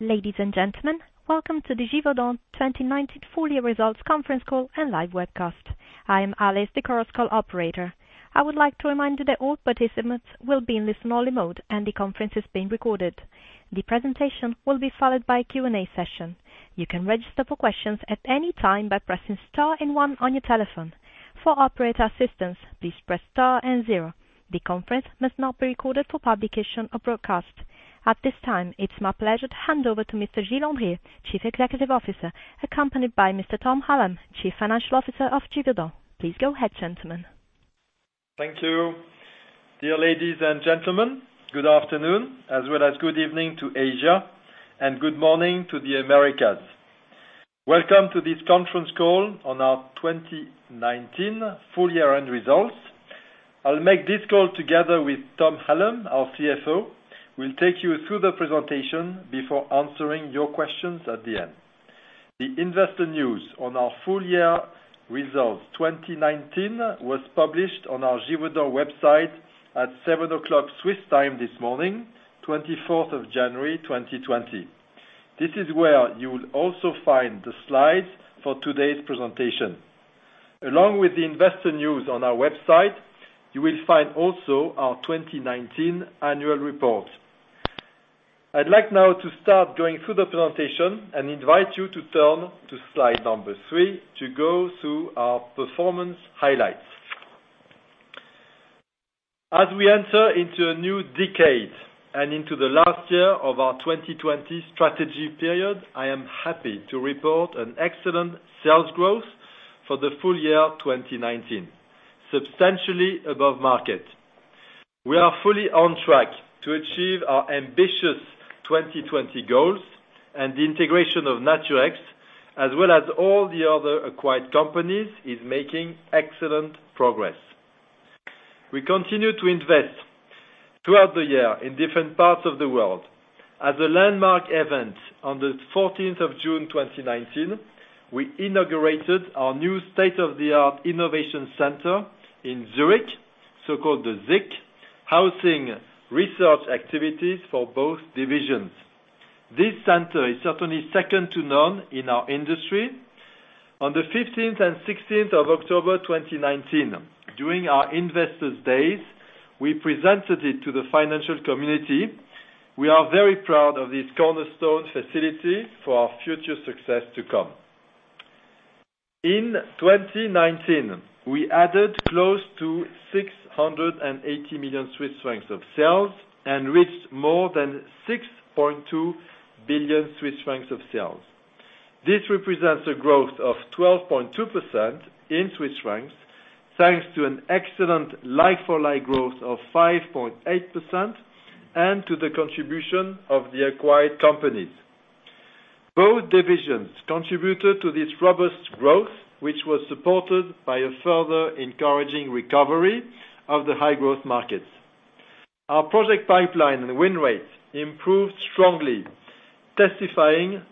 Ladies and gentlemen, welcome to the Givaudan 2019 full year results conference call and live webcast. I am Alice, the Chorus Call operator. I would like to remind you that all participants will be in listen only mode, and the conference is being recorded. The presentation will be followed by a Q&A session. You can register for questions at any time by pressing star and one on your telephone. For operator assistance, please press star and zero. The conference must not be recorded for publication or broadcast. At this time, it's my pleasure to hand over to Mr. Gilles Andrier, Chief Executive Officer, accompanied by Mr. Tom Hallam, Chief Financial Officer of Givaudan. Please go ahead, gentlemen. Thank you. Dear ladies and gentlemen, good afternoon, as well as good evening to Asia and good morning to the Americas. Welcome to this conference call on our 2019 full year-end results. I'll make this call together with Tom Hallam, our CFO. We'll take you through the presentation before answering your questions at the end. The investor news on our full year results 2019 was published on our Givaudan website at 7:00 o'clock Swiss time this morning, 24th of January 2020. This is where you will also find the slides for today's presentation. Along with the investor news on our website, you will find also our 2019 Annual Report. I'd like now to start going through the presentation and invite you to turn to slide number three to go through our performance highlights. As we enter into a new decade and into the last year of our 2020 strategy period, I am happy to report an excellent sales growth for the full year 2019, substantially above market. We are fully on track to achieve our ambitious 2020 goals and the integration of Naturex as well as all the other acquired companies, is making excellent progress. We continue to invest throughout the year in different parts of the world. At the landmark event on the 14th of June 2019, we inaugurated our new state-of-the-art innovation center in Zurich, so-called the ZIC, housing research activities for both divisions. This center is certainly second to none in our industry. On the 15th and 16th of October 2019, during our Investors Days, we presented it to the financial community. We are very proud of this cornerstone facility for our future success to come. In 2019, we added close to 680 million Swiss francs of sales and reached more than 6.2 billion Swiss francs of sales. This represents a growth of 12.2% in CHF, thanks to an excellent like-for-like growth of 5.8% and to the contribution of the acquired companies. Both divisions contributed to this robust growth, which was supported by a further encouraging recovery of the high-growth markets. Our project pipeline and win rates improved strongly, testifying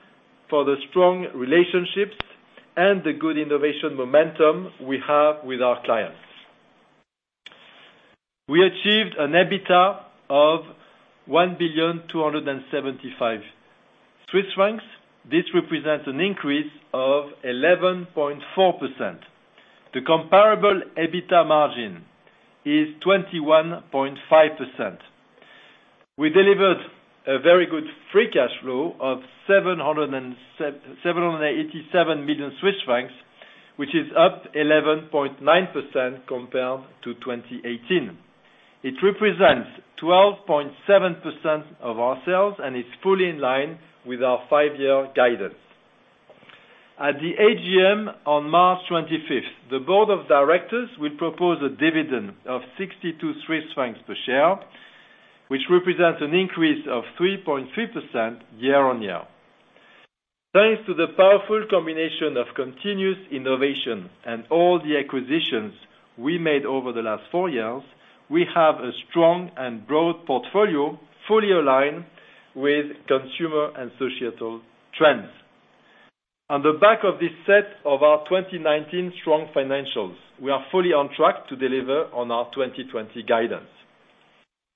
for the strong relationships and the good innovation momentum we have with our clients. We achieved an EBITDA of 1.275 billion. This represents an increase of 11.4%. The comparable EBITDA margin is 21.5%. We delivered a very good free cash flow of 787 million Swiss francs, which is up 11.9% compared to 2018. It represents 12.7% of our sales and is fully in line with our five-year guidance. At the AGM on March 25th, the Board of Directors will propose a dividend of 62 Swiss francs per share, which represents an increase of 3.3% year-on-year. Thanks to the powerful combination of continuous innovation and all the acquisitions we made over the last four years, we have a strong and broad portfolio fully aligned with consumer and societal trends. On the back of this set of our 2019 strong financials, we are fully on track to deliver on our 2020 guidance.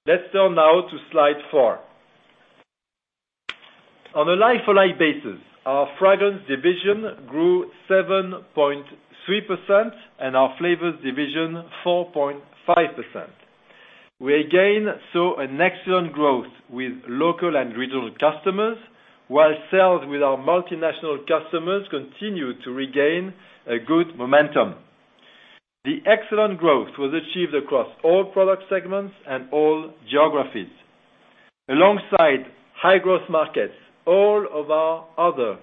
Let's turn now to slide four. On a like-for-like basis, our Fragrance division grew 7.3% and our Flavors division 4.5%. We again saw an excellent growth with local and regional customers, while sales with our multinational customers continued to regain a good momentum. The excellent growth was achieved across all product segments and all geographies. Alongside high-growth markets, all of our other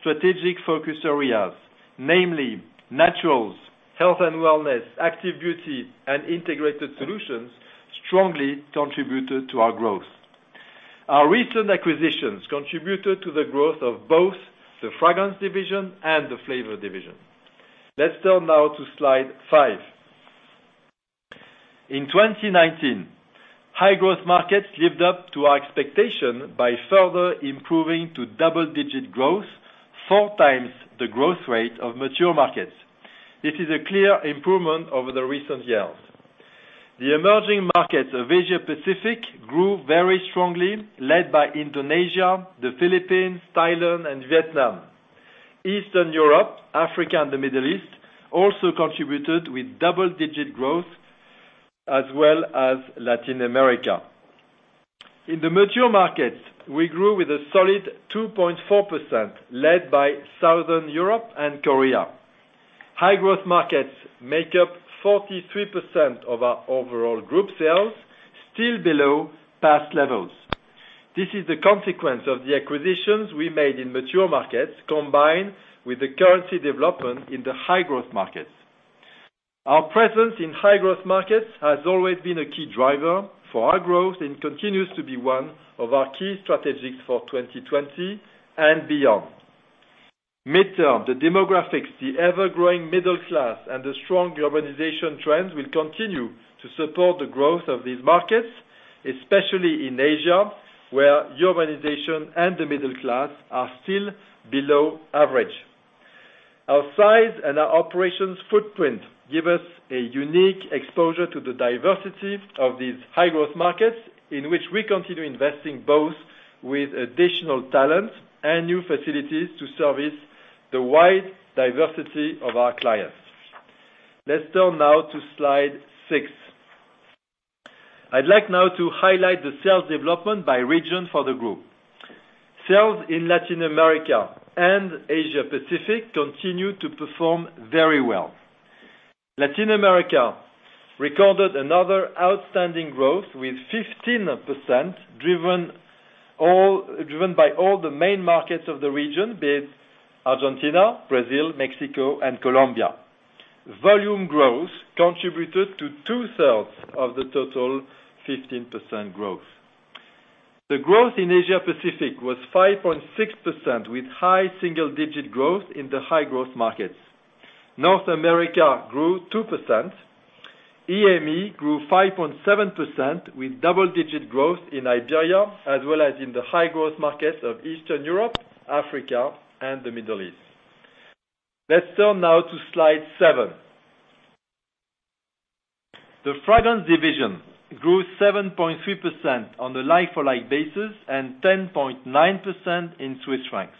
strategic focus areas, namely Naturals, health and wellness, Active Beauty, and integrated solutions, strongly contributed to our growth. Our recent acquisitions contributed to the growth of both the Fragrance division and the Flavor division. Let's turn now to slide five. In 2019, high-growth markets lived up to our expectation by further improving to double-digit growth, four times the growth rate of mature markets. This is a clear improvement over the recent years. The emerging markets of Asia-Pacific grew very strongly, led by Indonesia, the Philippines, Thailand, and Vietnam. Eastern Europe, Africa, and the Middle East also contributed with double-digit growth, as well as Latin America. In the mature markets, we grew with a solid 2.4%, led by Southern Europe and Korea. High-growth markets make up 43% of our overall group sales, still below past levels. This is the consequence of the acquisitions we made in mature markets, combined with the currency development in the high-growth markets. Our presence in high-growth markets has always been a key driver for our growth and continues to be one of our key strategies for 2020 and beyond. Midterm, the demographics, the ever-growing middle class, and the strong urbanization trends will continue to support the growth of these markets, especially in Asia, where urbanization and the middle class are still below average. Our size and our operations footprint give us a unique exposure to the diversity of these high-growth markets, in which we continue investing both with additional talent and new facilities to service the wide diversity of our clients. Let's turn now to slide six. I'd like now to highlight the sales development by region for the group. Sales in Latin America and Asia-Pacific continue to perform very well. Latin America recorded another outstanding growth with 15%, driven by all the main markets of the region, be it Argentina, Brazil, Mexico, and Colombia. Volume growth contributed to 2/3s of the total 15% growth. The growth in Asia-Pacific was 5.6%, with high single-digit growth in the high-growth markets. North America grew 2%. EME grew 5.7%, with double-digit growth in Nigeria, as well as in the high-growth markets of Eastern Europe, Africa, and the Middle East. Let's turn now to slide seven. The Fragrance division grew 7.3% on a like-for-like basis and 10.9% in Swiss francs.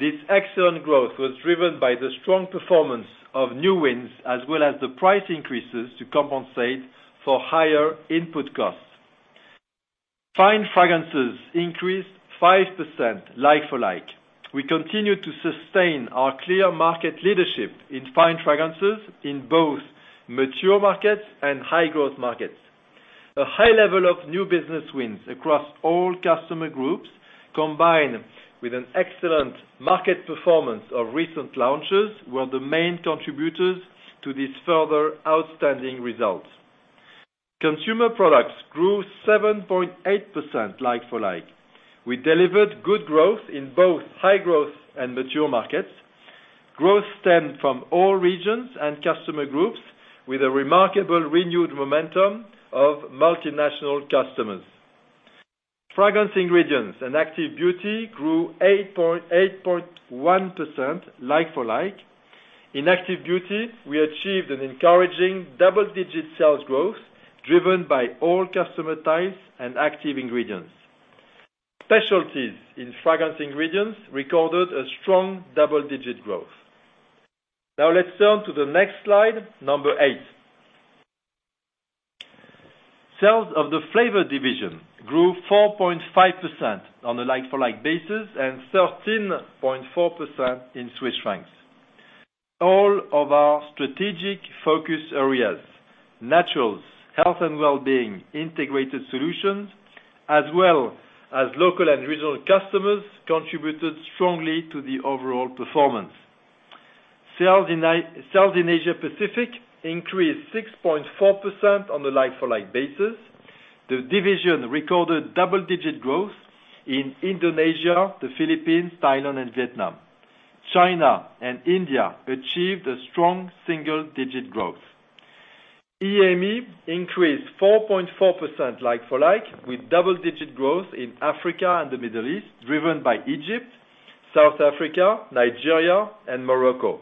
This excellent growth was driven by the strong performance of new wins, as well as the price increases to compensate for higher input costs. Fine Fragrances increased 5% like-for-like. We continue to sustain our clear market leadership in Fine Fragrances in both mature markets and high-growth markets. A high level of new business wins across all customer groups, combined with an excellent market performance of recent launches, were the main contributors to these further outstanding results. Consumer Products grew 7.8% like-for-like. We delivered good growth in both high-growth and mature markets. Growth stemmed from all regions and customer groups with a remarkable renewed momentum of multinational customers. Fragrance Ingredients and Active Beauty grew 8.1% like-for-like. In Active Beauty, we achieved an encouraging double-digit sales growth driven by all customer types and active ingredients. Specialties in Fragrance Ingredients recorded a strong double-digit growth. Let's turn to the next slide, number eight. Sales of the Flavor division grew 4.5% on a like-for-like basis and 13.4% in Swiss francs. All of our strategic focus areas, Naturals, health and wellbeing, integrated solutions, as well as local and regional customers, contributed strongly to the overall performance. Sales in Asia-Pacific increased 6.4% on a like-for-like basis. The division recorded double-digit growth in Indonesia, the Philippines, Thailand, and Vietnam. China and India achieved a strong single-digit growth. EME increased 4.4% like-for-like, with double-digit growth in Africa and the Middle East, driven by Egypt, South Africa, Nigeria, and Morocco.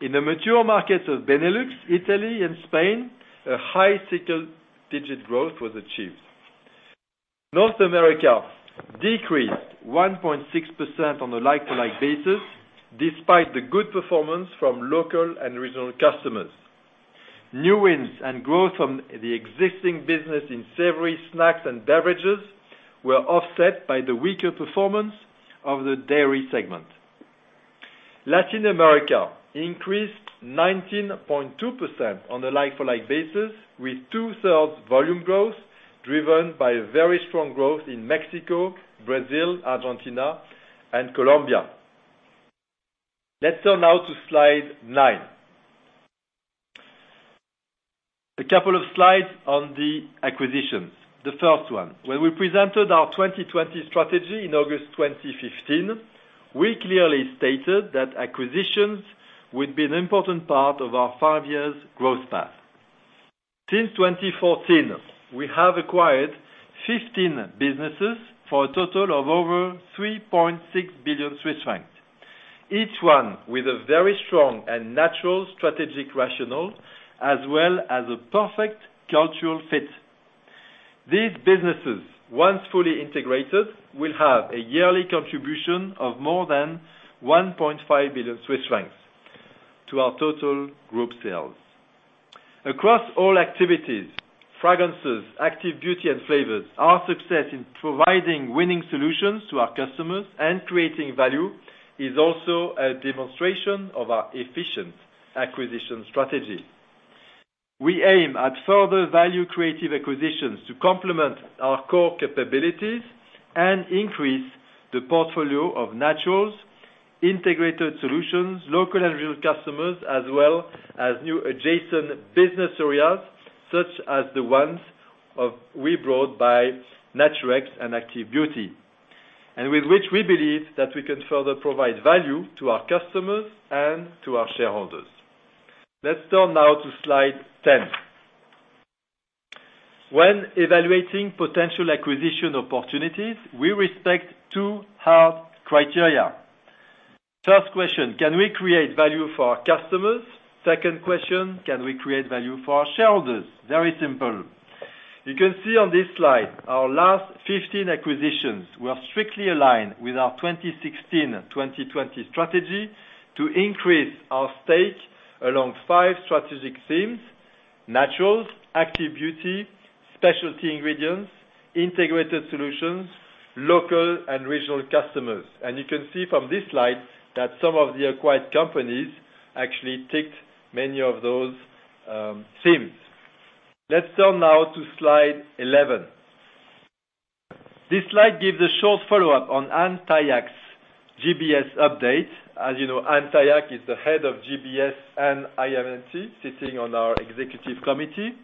In the mature markets of Benelux, Italy, and Spain, a high single-digit growth was achieved. North America decreased 1.6% on a like-for-like basis, despite the good performance from local and regional customers. New wins and growth from the existing business in savory snacks and beverages were offset by the weaker performance of the dairy segment. Latin America increased 19.2% on a like-for-like basis, with two-thirds volume growth driven by a very strong growth in Mexico, Brazil, Argentina, and Colombia. Let's turn now to slide nine. A couple of slides on the acquisitions. The first one. When we presented our 2020 strategy in August 2015, we clearly stated that acquisitions would be an important part of our five years' growth path. Since 2014, we have acquired 15 businesses for a total of over 3.6 billion Swiss francs. Each one with a very strong and natural strategic rationale, as well as a perfect cultural fit. These businesses, once fully integrated, will have a yearly contribution of more than 1.5 billion Swiss francs to our total group sales. Across all activities, Fragrances, Active Beauty, and Flavors, our success in providing winning solutions to our customers and creating value is also a demonstration of our efficient acquisition strategy. We aim at further value creative acquisitions to complement our core capabilities and increase the portfolio of Naturals, integrated solutions, local and regional customers, as well as new adjacent business areas, such as the ones we brought by Naturex and Active Beauty, and with which we believe that we can further provide value to our customers and to our shareholders. Let's turn now to slide 10. When evaluating potential acquisition opportunities, we respect two hard criteria. First question, can we create value for our customers? Second question, can we create value for our shareholders? Very simple. You can see on this slide, our last 15 acquisitions were strictly aligned with our 2016-2020 strategy to increase our stake along five strategic themes, Naturals, Active Beauty, specialty ingredients, integrated solutions, local and regional customers. You can see from this slide that some of the acquired companies actually ticked many of those themes. Let's turn now to slide 11. This slide gives a short follow-up on Anne Tayac's GBS update. As you know, Anne Tayac is the Head of GBS and IM&T sitting on our Executive Committee,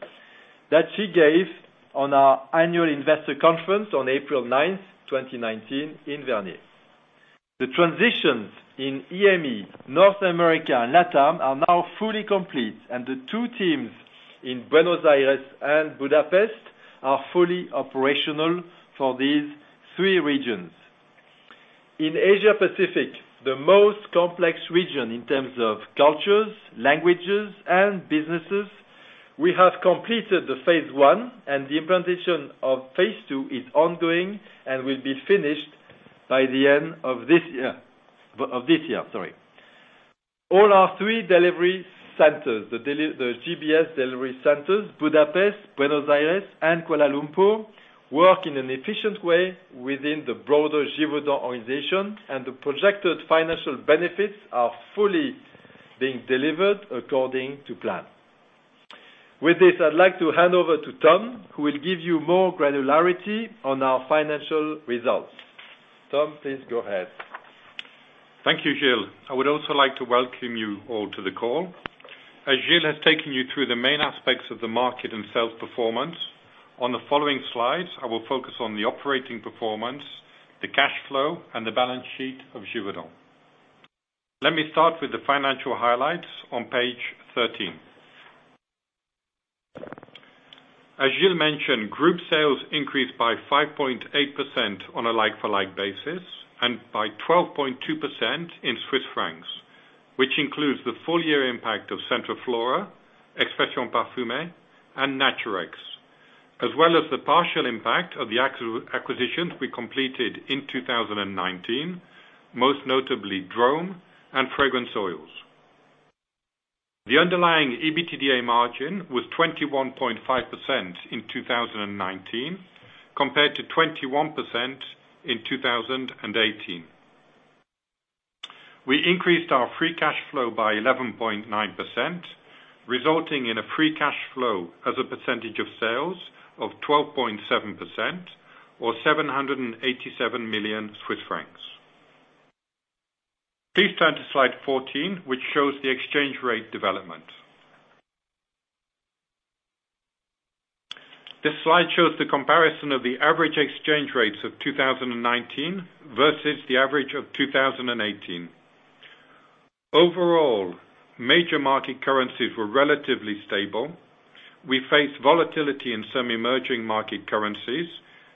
that she gave on our Annual Investor Conference on April 9th, 2019 in Vernier. The transitions in EME, North America, and LATAM are now fully complete, and the two teams in Buenos Aires and Budapest are fully operational for these three regions. In Asia Pacific, the most complex region in terms of cultures, languages, and businesses, we have completed the phase I, and the implementation of phase II is ongoing and will be finished by the end of this year. All our three delivery centers, the GBS delivery centers, Budapest, Buenos Aires, and Kuala Lumpur, work in an efficient way within the broader Givaudan organization. The projected financial benefits are fully being delivered according to plan. With this, I'd like to hand over to Tom, who will give you more granularity on our financial results. Tom, please go ahead. Thank you, Gilles. I would also like to welcome you all to the call. As Gilles has taken you through the main aspects of the market and sales performance, on the following slides, I will focus on the operating performance, the cash flow, and the balance sheet of Givaudan. Let me start with the financial highlights on page 13. As Gilles mentioned, group sales increased by 5.8% on a like-for-like basis and by 12.2% in CHF, which includes the full year impact of Centroflora, Expressions Parfumées, and Naturex, as well as the partial impact of the acquisitions we completed in 2019, most notably Drom and Fragrance Oils. The underlying EBITDA margin was 21.5% in 2019, compared to 21% in 2018. We increased our free cash flow by 11.9%, resulting in a free cash flow as a percentage of sales of 12.7% or CHF 787 million. Please turn to slide 14, which shows the exchange rate development. This slide shows the comparison of the average exchange rates of 2019 versus the average of 2018. Overall, major market currencies were relatively stable. We faced volatility in some emerging market currencies.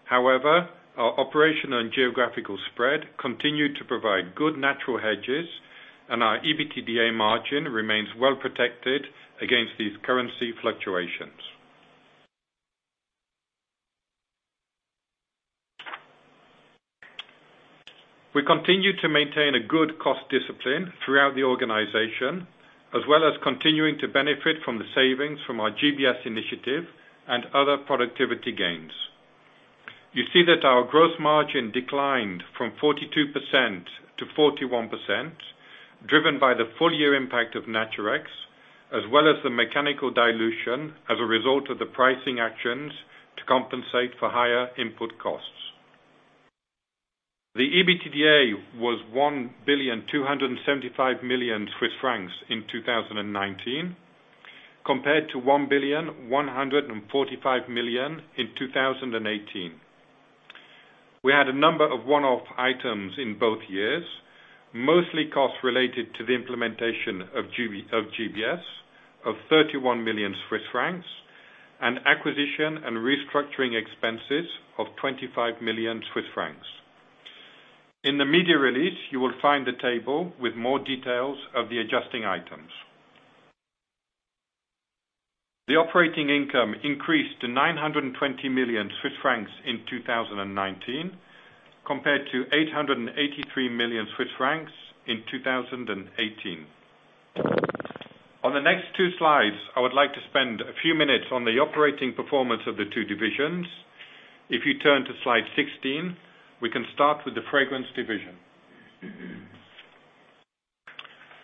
However, our operation and geographical spread continued to provide good natural hedges, and our EBITDA margin remains well protected against these currency fluctuations. We continue to maintain a good cost discipline throughout the organization, as well as continuing to benefit from the savings from our GBS initiative and other productivity gains. You see that our gross margin declined from 42% to 41%, driven by the full year impact of Naturex, as well as the mechanical dilution as a result of the pricing actions to compensate for higher input costs. The EBITDA was 1,275 million Swiss francs in 2019 compared to 1,145 million in 2018. We had a number of one-off items in both years, mostly costs related to the implementation of GBS of 31 million Swiss francs. Acquisition and restructuring expenses of 25 million Swiss francs. In the media release, you will find a table with more details of the adjusting items. The operating income increased to 920 million Swiss francs in 2019, compared to 883 million Swiss francs in 2018. On the next two slides, I would like to spend a few minutes on the operating performance of the two divisions. If you turn to slide 16, we can start with the Fragrance division.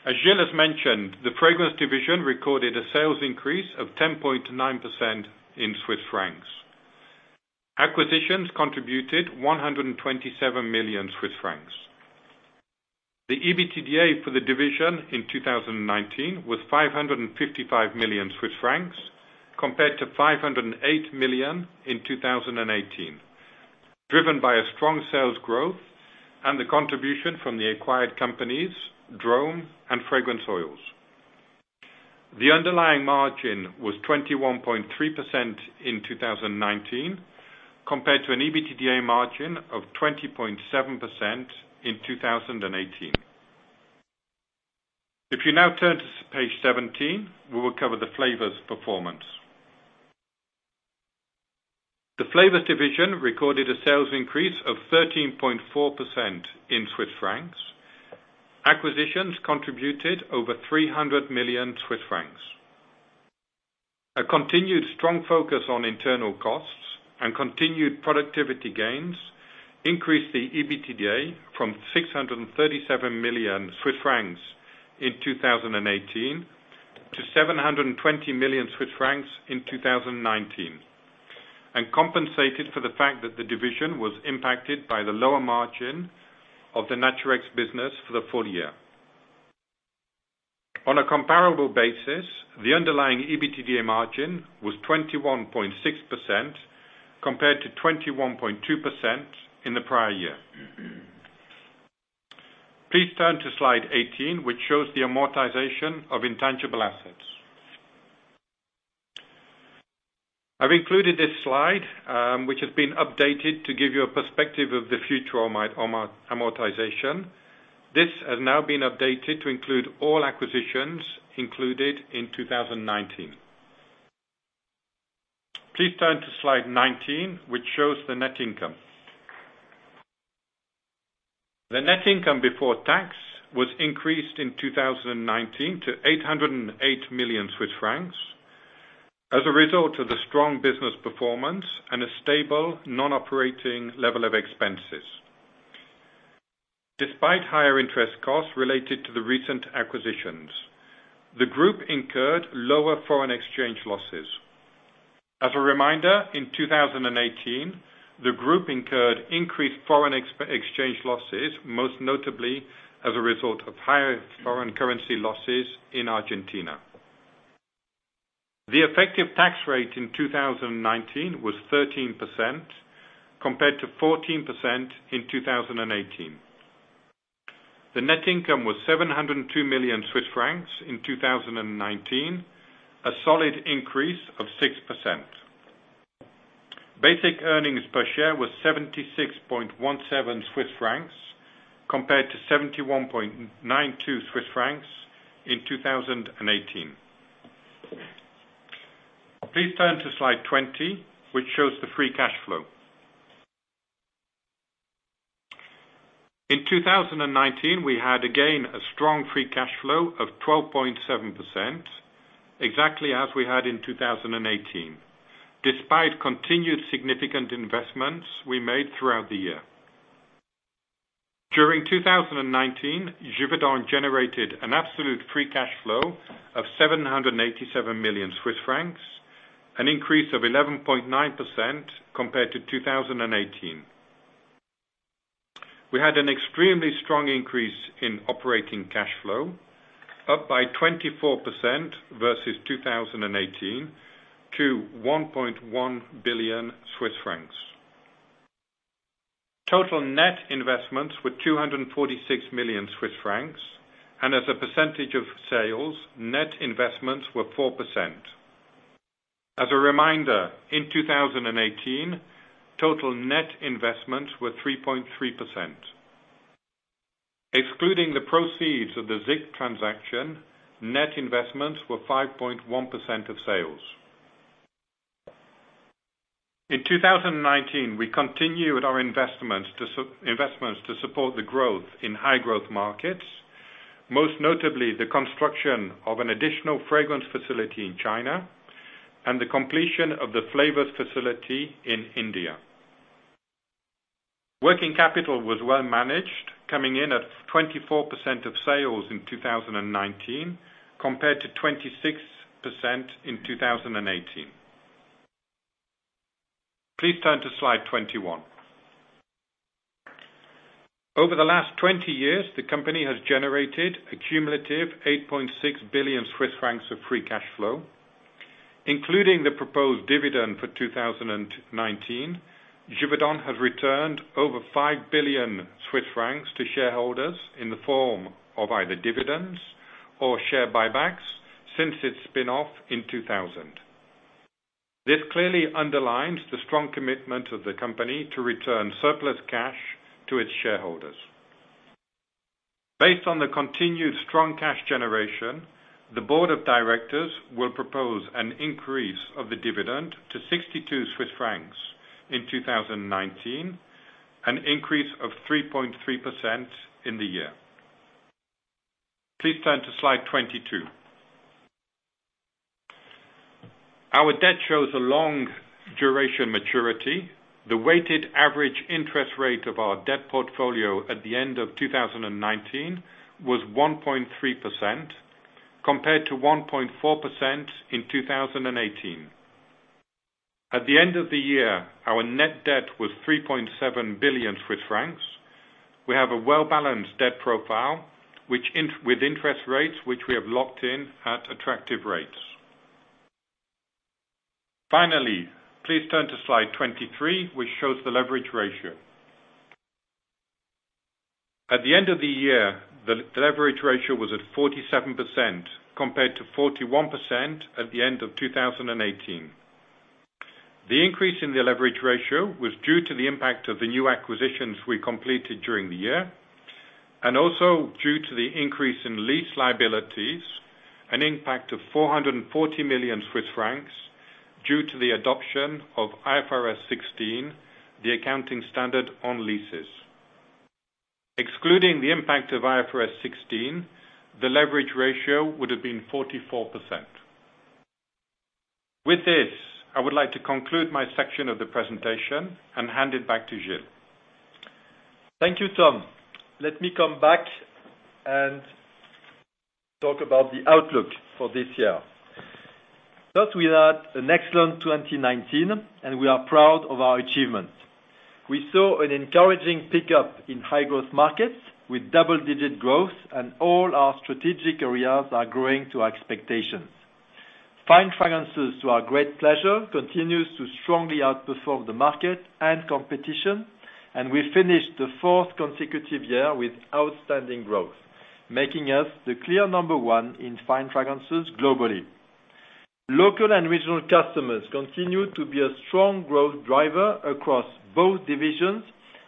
As Gilles has mentioned, the Fragrance division recorded a sales increase of 10.9% in Swiss francs. Acquisitions contributed CHF 127 million. The EBITDA for the division in 2019 was 555 million Swiss francs compared to 508 million in 2018, driven by a strong sales growth and the contribution from the acquired companies, Drom and Fragrance Oils. The underlying margin was 21.3% in 2019, compared to an EBITDA margin of 20.7% in 2018. If you now turn to page 17, we will cover the Flavors performance. The Flavors division recorded a sales increase of 13.4% in Swiss francs. Acquisitions contributed over 300 million Swiss francs. A continued strong focus on internal costs and continued productivity gains increased the EBITDA from 637 million Swiss francs in 2018 to 720 million Swiss francs in 2019, and compensated for the fact that the division was impacted by the lower margin of the Naturex business for the full year. On a comparable basis, the underlying EBITDA margin was 21.6% compared to 21.2% in the prior year. Please turn to slide 18, which shows the amortization of intangible assets. I've included this slide, which has been updated to give you a perspective of the future amortization. This has now been updated to include all acquisitions included in 2019. Please turn to slide 19, which shows the net income. The net income before tax was increased in 2019 to 808 million Swiss francs as a result of the strong business performance and a stable, non-operating level of expenses. Despite higher interest costs related to the recent acquisitions, the group incurred lower foreign exchange losses. As a reminder, in 2018, the group incurred increased foreign exchange losses, most notably as a result of higher foreign currency losses in Argentina. The effective tax rate in 2019 was 13%, compared to 14% in 2018. The net income was 702 million Swiss francs in 2019, a solid increase of 6%. Basic earnings per share was 76.17 Swiss francs compared to 71.92 Swiss francs in 2018. Please turn to slide 20, which shows the free cash flow. In 2019, we had, again, a strong free cash flow of 12.7%, exactly as we had in 2018, despite continued significant investments we made throughout the year. During 2019, Givaudan generated an absolute free cash flow of 787 million Swiss francs, an increase of 11.9% compared to 2018. We had an extremely strong increase in operating cash flow, up by 24% versus 2018 to 1.1 billion Swiss francs. Total net investments were 246 million Swiss francs, and as a percentage of sales, net investments were 4%. As a reminder, in 2018, total net investments were 3.3%. Excluding the proceeds of the ZIC transaction, net investments were 5.1% of sales. In 2019, we continued our investments to support the growth in high growth markets, most notably the construction of an additional fragrance facility in China and the completion of the flavors facility in India. Working capital was well managed, coming in at 24% of sales in 2019 compared to 26% in 2018. Please turn to slide 21. Over the last 20 years, the company has generated a cumulative 8.6 billion Swiss francs of free cash flow. Including the proposed dividend for 2019, Givaudan has returned over 5 billion Swiss francs to shareholders in the form of either dividends or share buybacks since its spin-off in 2000. This clearly underlines the strong commitment of the company to return surplus cash to its shareholders. Based on the continued strong cash generation, the Board of Directors will propose an increase of the dividend to 62 Swiss francs in 2019, an increase of 3.3% in the year. Please turn to slide 22. Our debt shows a long duration maturity. The weighted average interest rate of our debt portfolio at the end of 2019 was 1.3%, compared to 1.4% in 2018. At the end of the year, our net debt was 3.7 billion Swiss francs. We have a well-balanced debt profile, with interest rates, which we have locked in at attractive rates. Please turn to slide 23, which shows the leverage ratio. At the end of the year, the leverage ratio was at 47%, compared to 41% at the end of 2018. The increase in the leverage ratio was due to the impact of the new acquisitions we completed during the year, and also due to the increase in lease liabilities, an impact of 440 million Swiss francs due to the adoption of IFRS 16, the accounting standard on leases. Excluding the impact of IFRS 16, the leverage ratio would've been 44%. With this, I would like to conclude my section of the presentation and hand it back to Gilles. Thank you, Tom. That, we had an excellent 2019, and we are proud of our achievements. We saw an encouraging pickup in high-growth markets with double-digit growth, and all our strategic areas are growing to expectations. Fine Fragrances, to our great pleasure, continues to strongly outperform the market and competition, and we finished the fourth consecutive year with outstanding growth, making us the clear number one in Fine Fragrances globally. Local and regional customers continue to be a strong growth driver across both divisions,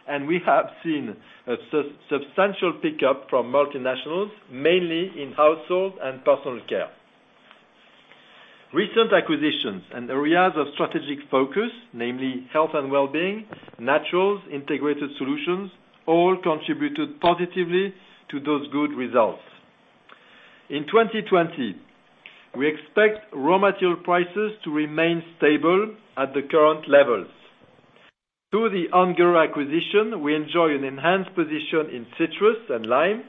and we have seen a substantial pickup from multinationals, mainly in household and personal care. Recent acquisitions and areas of strategic focus, namely health and wellbeing, Naturals, integrated solutions, all contributed positively to those good results. In 2020, we expect raw material prices to remain stable at the current levels. Through the Ungerer acquisition, we enjoy an enhanced position in citrus and lime.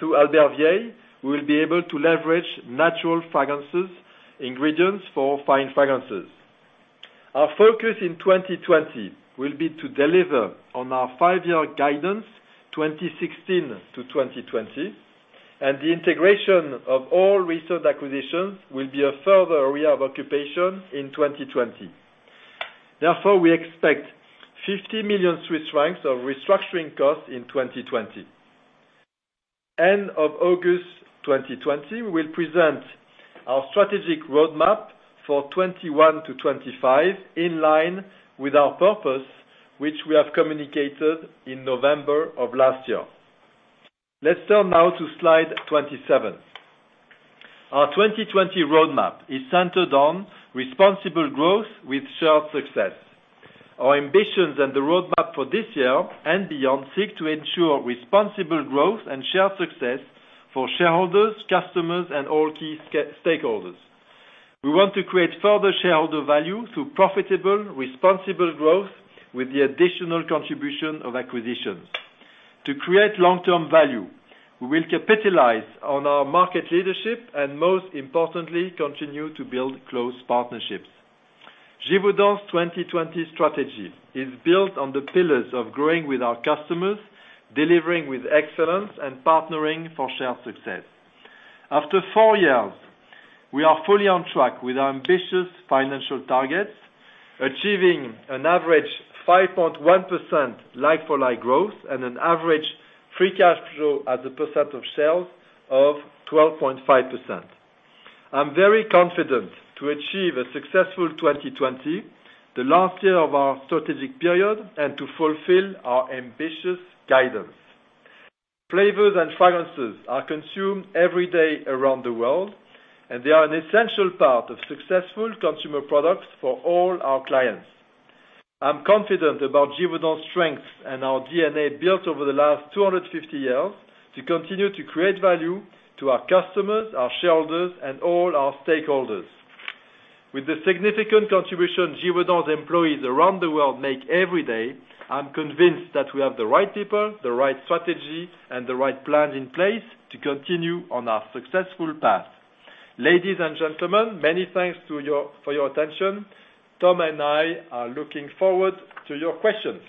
Through Albert Vieille, we will be able to leverage natural fragrances ingredients for Fine Fragrances. Our focus in 2020 will be to deliver on our five-year guidance 2016-2020, and the integration of all recent acquisitions will be a further area of occupation in 2020. Therefore, we expect 50 million Swiss francs of restructuring costs in 2020. End of August 2020, we'll present our strategic roadmap for 2021-2025 in line with our purpose, which we have communicated in November of last year. Let's turn now to slide 27. Our 2020 roadmap is centered on responsible growth with shared success. Our ambitions and the roadmap for this year and beyond seek to ensure responsible growth and shared success for shareholders, customers, and all key stakeholders. We want to create further shareholder value through profitable, responsible growth with the additional contribution of acquisitions. To create long-term value, we will capitalize on our market leadership and most importantly, continue to build close partnerships. Givaudan's 2020 strategy is built on the pillars of growing with our customers, delivering with excellence, and partnering for shared success. After four years, we are fully on track with our ambitious financial targets, achieving an average 5.1% like-for-like growth and an average free cash flow as a percent of sales of 12.5%. I'm very confident to achieve a successful 2020, the last year of our strategic period, and to fulfill our ambitious guidance. Flavors and Fragrances are consumed every day around the world, and they are an essential part of successful consumer products for all our clients. I'm confident about Givaudan's strength and our DNA built over the last 250 years to continue to create value to our customers, our shareholders, and all our stakeholders. With the significant contribution Givaudan's employees around the world make every day, I'm convinced that we have the right people, the right strategy, and the right plan in place to continue on our successful path. Ladies and gentlemen, many thanks for your attention. Tom and I are looking forward to your questions.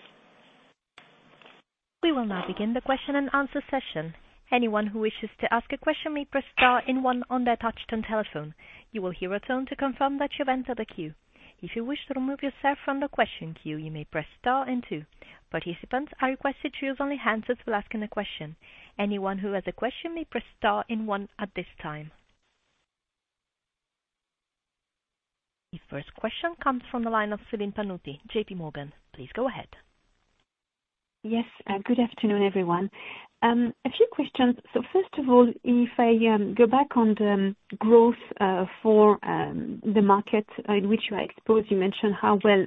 We will now begin the question and answer session. Anyone who wishes to ask a question may press star and one on their touch-tone telephone. You will hear a tone to confirm that you've entered the queue. If you wish to remove yourself from the question queue, you may press star and two. Participants are requested to use only hands up for asking a question. Anyone who has a question may press star and one at this time. The first question comes from the line of Celine Pannuti, JPMorgan. Please go ahead. Good afternoon, everyone. A few questions. First of all, if I go back on the growth for the market in which you are exposed, you mentioned how well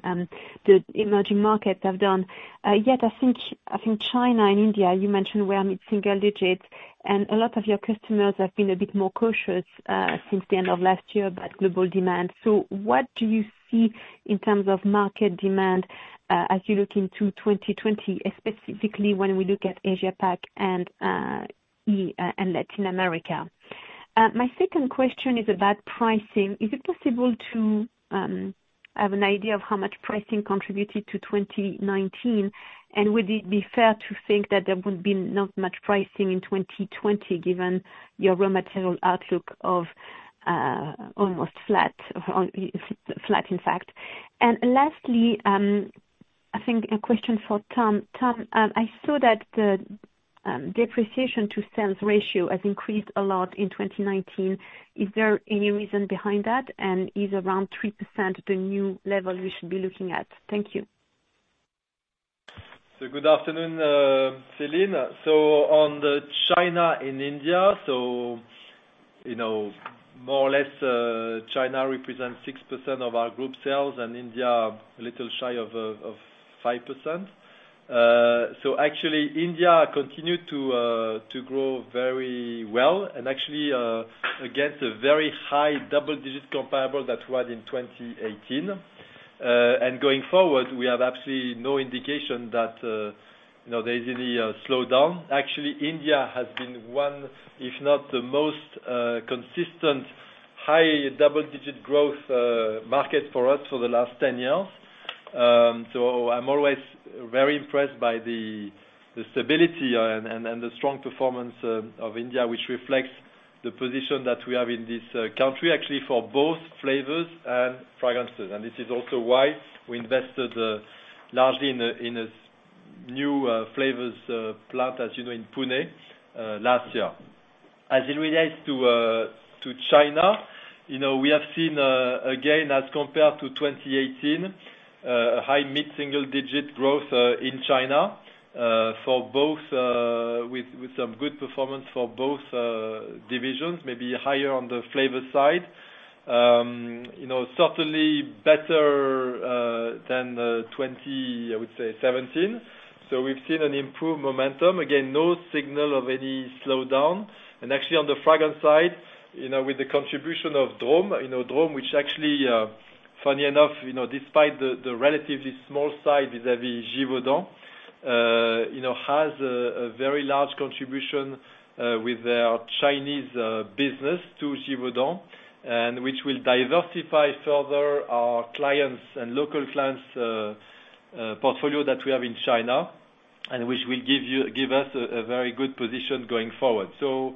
the emerging markets have done. I think China and India, you mentioned were mid-single digits, and a lot of your customers have been a bit more cautious since the end of last year about global demand. What do you see in terms of market demand, as you look into 2020, specifically when we look at Asia Pac and Latin America? My second question is about pricing. Is it possible to have an idea of how much pricing contributed to 2019, and would it be fair to think that there would be not much pricing in 2020 given your raw material outlook of almost flat, in fact? Lastly, I think a question for Tom. Tom, I saw that the depreciation to sales ratio has increased a lot in 2019. Is there any reason behind that, and is around 3% the new level we should be looking at? Thank you. Good afternoon, Celine. On China and India, more or less China represents 6% of our group sales and India a little shy of 5%. Actually India continued to grow very well and actually against a very high double-digit comparable that we had in 2018. Going forward, we have absolutely no indication that there is any slowdown. Actually, India has been one if not the most consistent high double-digit growth market for us for the last 10 years. I'm always very impressed by the stability and the strong performance of India, which reflects the position that we have in this country, actually for both Flavors and Fragrances. This is also why we invested largely in a new flavors plant, as you know, in Pune, last year. As it relates to China, we have seen, again, as compared to 2018, high mid-single digit growth in China with some good performance for both divisions, maybe higher on the Flavor side. Certainly better than 2017, I would say. We've seen an improved momentum. Again, no signal of any slowdown. Actually on the Fragrance side, with the contribution of Drom. Drom, which actually, funny enough, despite the relatively small size vis-à-vis Givaudan, has a very large contribution with their Chinese business to Givaudan, and which will diversify further our clients and local clients portfolio that we have in China, and which will give us a very good position going forward. Still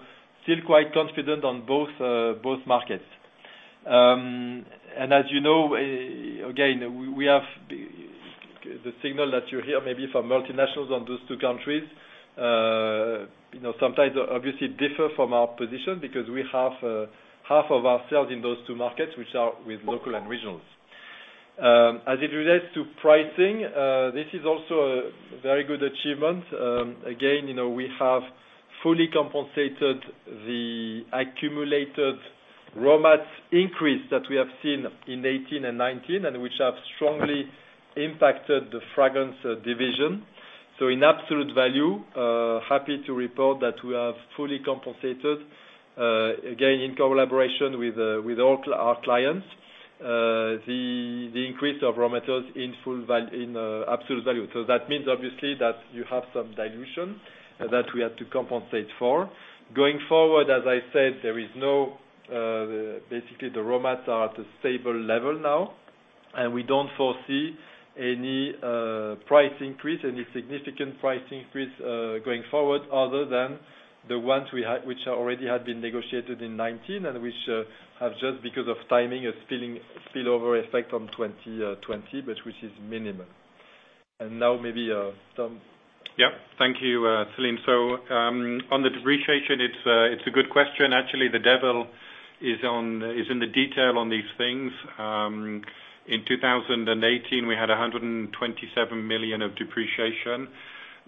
quite confident on both markets. As you know, again, the signal that you hear maybe from multinationals on those two countries, sometimes obviously differ from our position because we have half of our sales in those two markets, which are with local and regionals. As it relates to pricing, this is also a very good achievement. We have fully compensated the accumulated raw materials increase that we have seen in 2018 and 2019, and which have strongly impacted the Fragrance division. In absolute value, happy to report that we have fully compensated, again in collaboration with all our clients, the increase of raw materials in absolute value. That means obviously that you have some dilution that we had to compensate for. Going forward, as I said, basically the raw materials are at a stable level now, and we don't foresee any significant price increase going forward other than the ones which already had been negotiated in 2019 and which have just because of timing, a spillover effect on 2020, but which is minimal. Now maybe Tom. Yeah. Thank you, Celine. On the depreciation, it's a good question. Actually, the devil is in the detail on these things. In 2018, we had 127 million of depreciation.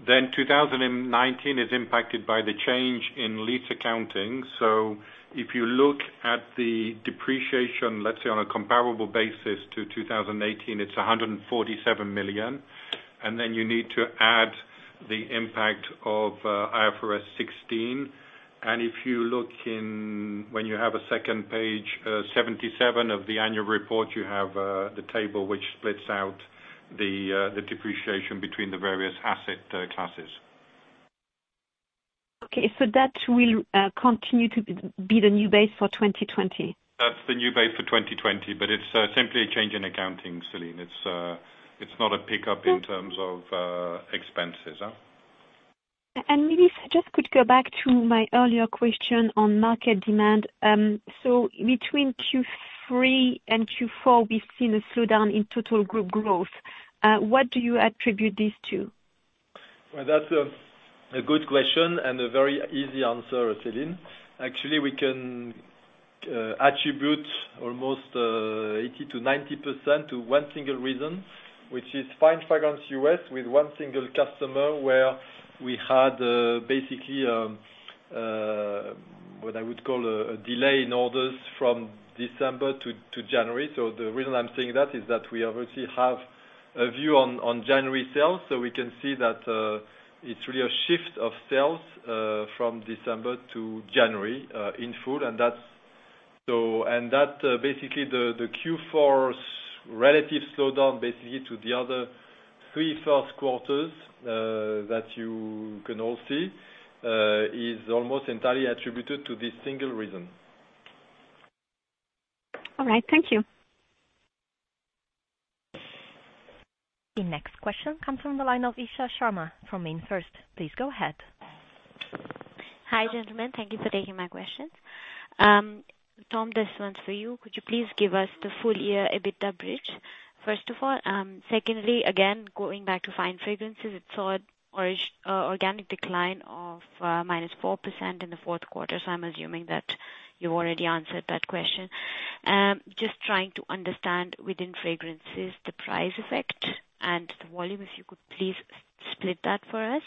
2019 is impacted by the change in lease accounting. If you look at the depreciation, let's say on a comparable basis to 2018, it's 147 million. You need to add the impact of IFRS 16. If you look in, when you have a second page, 77 of the Annual Report, you have the table which splits out the depreciation between the various asset classes. Okay, that will continue to be the new base for 2020? That's the new base for 2020, but it's simply a change in accounting, Celine. It's not a pickup in terms of expenses. Maybe if I just could go back to my earlier question on market demand. Between Q3 and Q4, we've seen a slowdown in total group growth. What do you attribute this to? Well, that's a good question and a very easy answer, Celine. Actually, we can attribute almost 80%-90% to one single reason, which is Fine Fragrances U.S. with one single customer, where we had basically, what I would call a delay in orders from December to January. The reason I'm saying that is that we already have a view on January sales, so we can see that it's really a shift of sales from December to January in full. That, basically the Q4's relative slowdown, basically to the other three first quarters, that you can all see, is almost entirely attributed to this single reason. All right. Thank you. The next question comes from the line of Isha Sharma from MainFirst. Please go ahead. Hi, gentlemen. Thank you for taking my question. Tom, this one's for you. Could you please give us the full year EBITDA bridge, first of all? Again, going back to Fine Fragrances, it saw organic decline of -4% in the fourth quarter. I'm assuming that you already answered that question. Just trying to understand within Fragrances, the price effect and the volume, if you could please split that for us.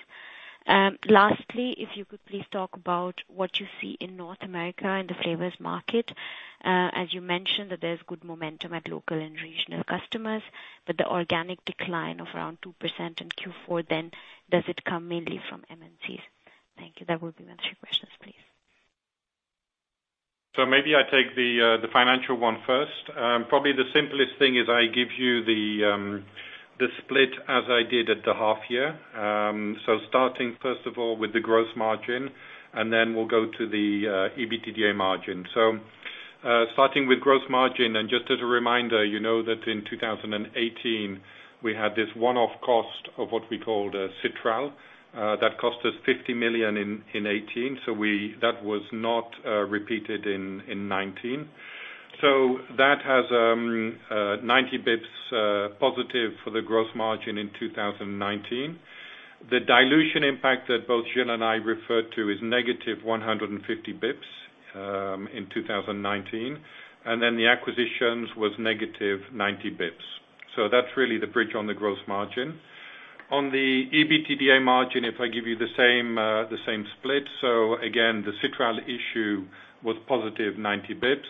If you could please talk about what you see in North America in the Flavors market. You mentioned that there's good momentum at local and regional customers. The organic decline of around 2% in Q4, does it come mainly from MNCs? Thank you. That would be my three questions, please. Maybe I take the financial one first. Probably the simplest thing is I give you the split as I did at the half year. Starting first of all with the gross margin, and then we'll go to the EBITDA margin. Starting with gross margin, and just as a reminder, you know that in 2018 we had this one-off cost of what we called citral. That cost us 50 million in 2018, that was not repeated in 2019. That has 90 basis points positive for the gross margin in 2019. The dilution impact that both Gilles and I referred to is negative 150 basis points in 2019, and then the acquisitions was negative 90 basis points. That's really the bridge on the gross margin. On the EBITDA margin, if I give you the same split. The citral issue was positive 90 basis points.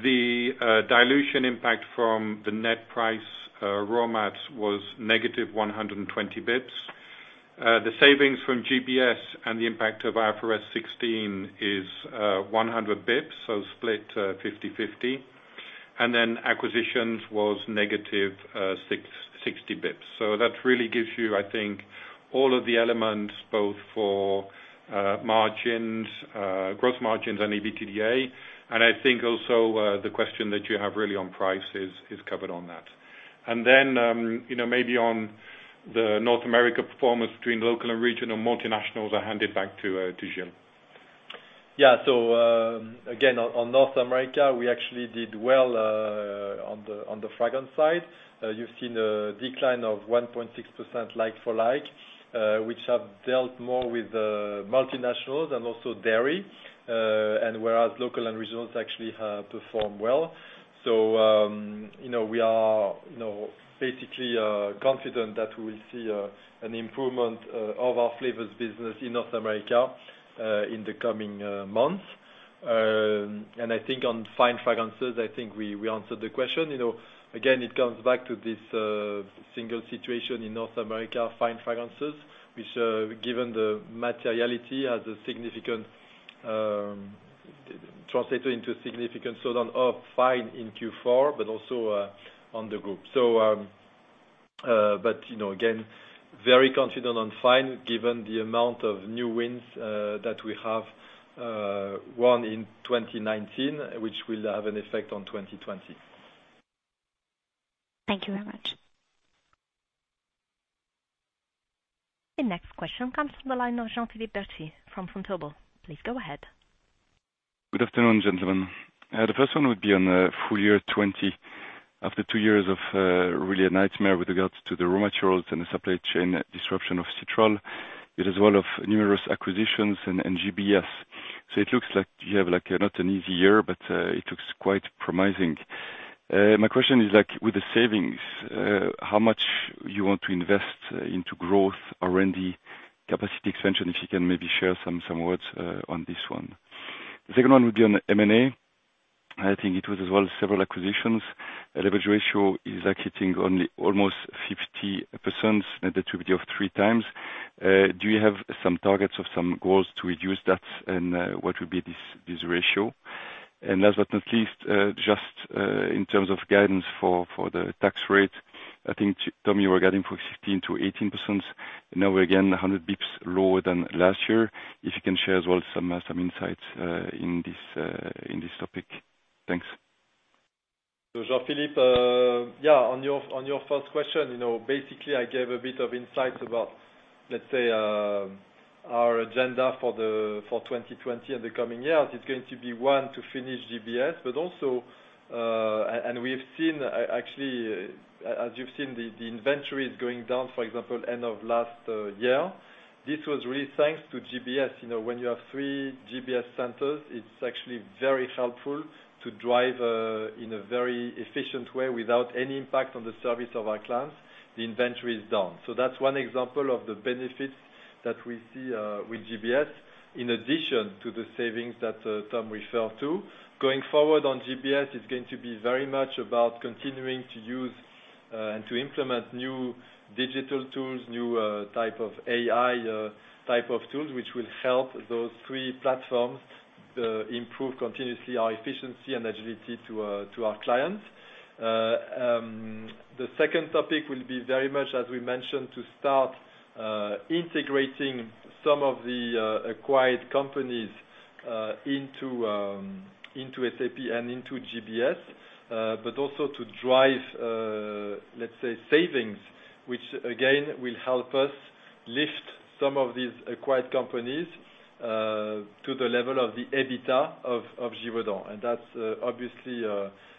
The dilution impact from the net price raw mats was negative 120 basis points. The savings from GBS and the impact of IFRS 16 is 100 basis points, so split 50/50. Acquisitions was negative 60 basis points. That really gives you, I think, all of the elements, both for margins, gross margins and EBITDA. I think also, the question that you have really on price is covered on that. Maybe on the North America performance between local and regional multinationals, I hand it back to Gilles. Yeah. Again, on North America, we actually did well on the Fragrance side. You've seen a decline of 1.6% like-for-like, which have dealt more with the multinationals and also dairy, whereas local and regionals actually have performed well. We are basically confident that we will see an improvement of our Flavors business in North America, in the coming months. I think on Fine Fragrances, I think we answered the question. Again, it comes back to this single situation in North America Fine Fragrances, which, given the materiality, has translated into a significant slowdown of Fine in Q4, but also on the group. Again, very confident on Fine given the amount of new wins that we have won in 2019, which will have an effect on 2020. Thank you very much. The next question comes from the line of Jean-Philippe Bertschy from Vontobel. Please go ahead. Good afternoon, gentlemen. The first one would be on the full year 2020. After two years of really a nightmare with regards to the raw materials and the supply chain disruption of citral, as well as numerous acquisitions and GBS. It looks like you have not an easy year, but it looks quite promising. My question is with the savings, how much you want to invest into growth R&D capacity expansion, if you can maybe share some words on this one. The second one would be on M&A. I think it was as well several acquisitions. Leverage ratio is sitting only almost 50%, and that will be of three times. Do you have some targets of some goals to reduce that? What would be this ratio? Last but not least, just in terms of guidance for the tax rate, I think, Tom, you were guiding for 16%-18%, and now again, 100 basis points lower than last year. If you can share as well some insights in this topic. Thanks. Jean-Philippe, on your first question, basically I gave a bit of insight about, let's say, our agenda for 2020 and the coming years. It's going to be, one, to finish GBS, but also, and we have seen, actually, as you've seen, the inventory is going down. For example, end of last year, this was really thanks to GBS. When you have three GBS centers, it's actually very helpful to drive in a very efficient way without any impact on the service of our clients. The inventory is down. That's one example of the benefits that we see with GBS in addition to the savings that Tom referred to. Going forward on GBS, it's going to be very much about continuing to use and to implement new digital tools, new type of AI type of tools, which will help those three platforms improve continuously our efficiency and agility to our clients. The second topic will be very much, as we mentioned, to start integrating some of the acquired companies into SAP and into GBS, but also to drive, let's say, savings, which again, will help us lift some of these acquired companies to the level of the EBITDA of Givaudan. That's obviously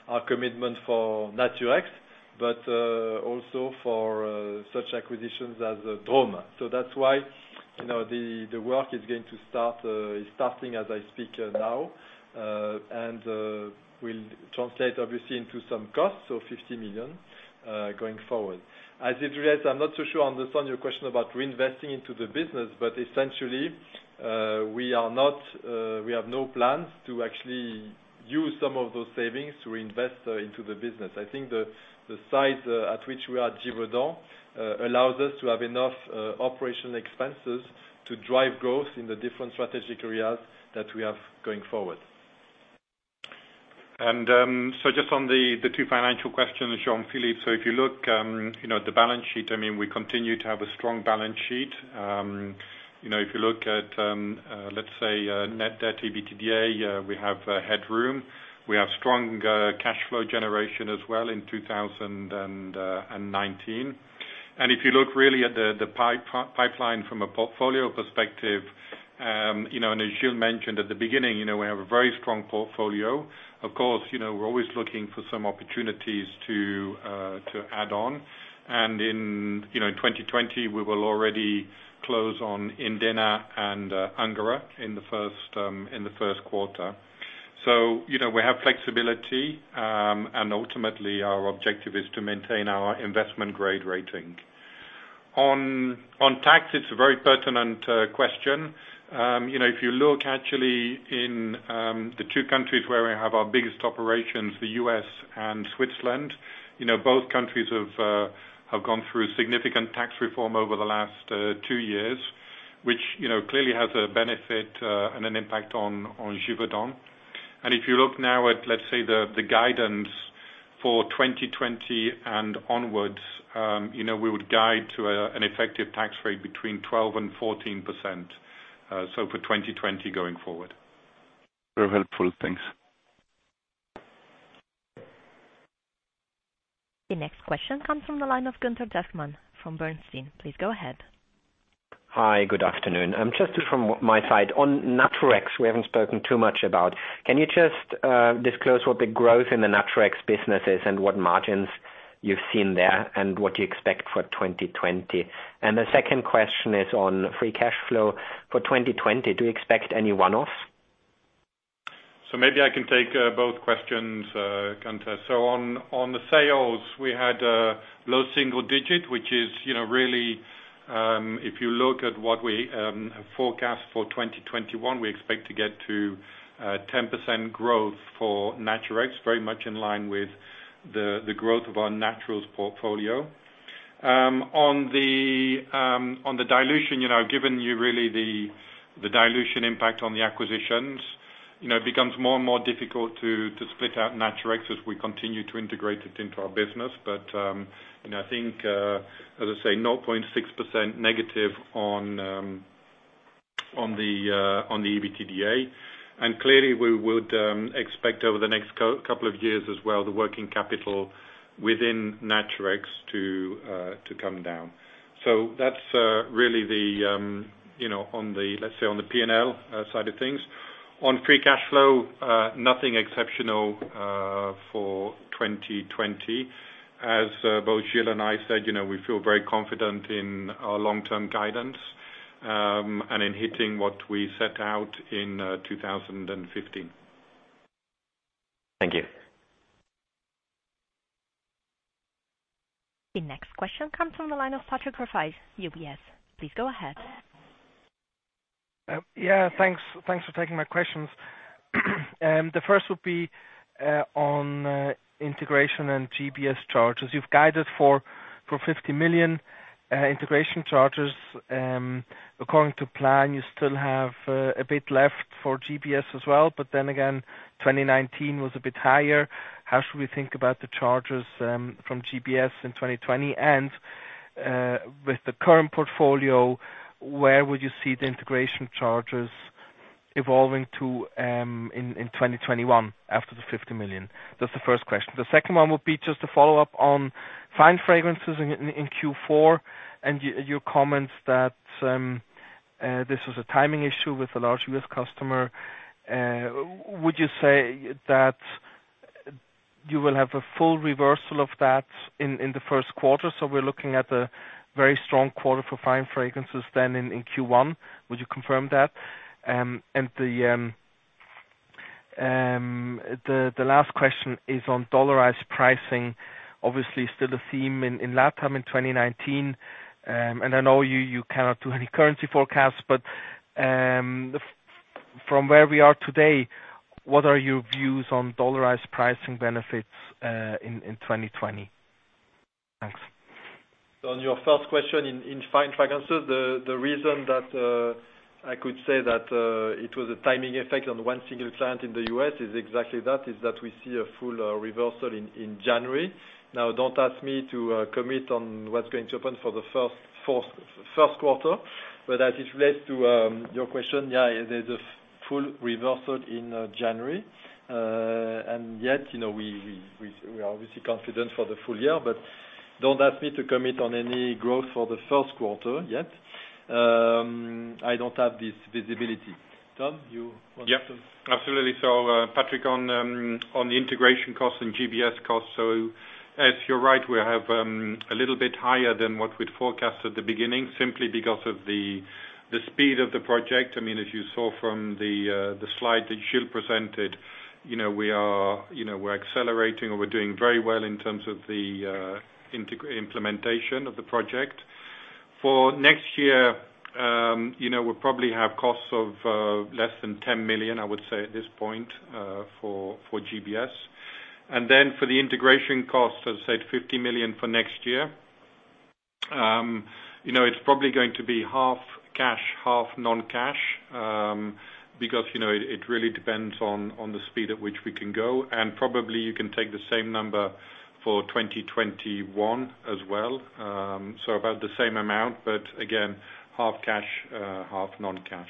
our commitment for Naturex, but also for such acquisitions as Drom. That's why the work is starting as I speak now, and will translate obviously into some costs, 50 million going forward. As it relates, I'm not so sure I understand your question about reinvesting into the business. Essentially, we have no plans to actually use some of those savings to reinvest into the business. I think the size at which we are at Givaudan allows us to have enough operational expenses to drive growth in the different strategic areas that we have going forward. Just on the two financial questions, Jean-Philippe. If you look at the balance sheet, we continue to have a strong balance sheet. If you look at, let's say, net debt EBITDA, we have headroom. We have strong cash flow generation as well in 2019. If you look really at the pipeline from a portfolio perspective, as Gilles mentioned at the beginning, we have a very strong portfolio. Of course, we're always looking for some opportunities to add on. In 2020, we will already close on Indena and Ungerer in the first quarter. We have flexibility. Ultimately our objective is to maintain our investment grade rating. On tax, it's a very pertinent question. If you look actually in the two countries where we have our biggest operations, the U.S. and Switzerland, both countries have gone through significant tax reform over the last two years, which clearly has a benefit and an impact on Givaudan. If you look now at, let's say, the guidance for 2020 and onwards, we would guide to an effective tax rate between 12% and 14%, so for 2020 going forward. Very helpful. Thanks. The next question comes from the line of Gunther Zechmann from Bernstein. Please go ahead. Hi. Good afternoon. Just from my side, on Naturex, we haven't spoken too much about. Can you just disclose what the growth in the Naturex business is and what margins you've seen there, and what you expect for 2020? The second question is on free cash flow for 2020. Do you expect any one-off? Maybe I can take both questions, Gunther. On the sales, we had low single digit, which is really, if you look at what we forecast for 2021, we expect to get to 10% growth for Naturex, very much in line with the growth of our Naturex portfolio. On the dilution, given you really the dilution impact on the acquisitions, it becomes more and more difficult to split out Naturex as we continue to integrate it into our business. I think, as I say, 0.6% negative on the EBITDA. Clearly we would expect over the next couple of years as well, the working capital within Naturex to come down. That's really on the, let's say, on the P&L side of things. On free cash flow, nothing exceptional for 2020. As both Gilles and I said, we feel very confident in our long-term guidance, and in hitting what we set out in 2015. Thank you. The next question comes from the line of Patrick Rafaisz, UBS. Please go ahead. Yeah, thanks. Thanks for taking my questions. The first would be on integration and GBS charges. You've guided for 50 million integration charges. According to plan, you still have a bit left for GBS as well. Again, 2019 was a bit higher. How should we think about the charges from GBS in 2020? With the current portfolio, where would you see the integration charges evolving to in 2021 after the 50 million. That's the first question. The second one would be just a follow-up on Fine Fragrances in Q4 and your comments that this was a timing issue with a large U.S. customer. Would you say that you will have a full reversal of that in the first quarter, we're looking at a very strong quarter for Fine Fragrances then in Q1? Would you confirm that? The last question is on dollarized pricing, obviously still a theme in LATAM in 2019. I know you cannot do any currency forecasts, but from where we are today, what are your views on dollarized pricing benefits in 2020? Thanks. On your first question, in Fine Fragrances, the reason that I could say that it was a timing effect on one single plant in the U.S. is exactly that, is that we see a full reversal in January. Don't ask me to commit on what's going to happen for the first quarter, but as it relates to your question, yeah, there's a full reversal in January. Yet, we are obviously confident for the full year, but don't ask me to commit on any growth for the first quarter yet. I don't have this visibility. Tom, you want to- Yep. Absolutely. Patrick, on the integration costs and GBS costs, as you're right, we have a little bit higher than what we'd forecast at the beginning, simply because of the speed of the project. If you saw from the slide that Gilles presented, we're accelerating and we're doing very well in terms of the implementation of the project. For next year, we'll probably have costs of less than 10 million, I would say, at this point, for GBS. For the integration costs, as I said, 50 million for next year. It's probably going to be half cash, half non-cash, because it really depends on the speed at which we can go, and probably you can take the same number for 2021 as well. About the same amount, but again, half cash, half non-cash.